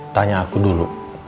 tanya aku dulu